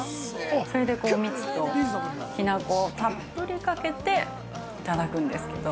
それで、蜜ときな粉をたっぷりかけていただくんですけど。